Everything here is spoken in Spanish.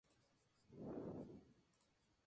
Simboliza la potencia de la monarquía absoluta danesa.